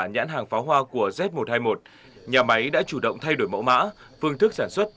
nhãn hàng pháo hoa của z một trăm hai mươi một nhà máy đã chủ động thay đổi mẫu mã phương thức sản xuất